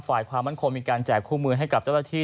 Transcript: ฝ่ายความมั่นคงมีการแจกคู่มือให้กับเจ้าหน้าที่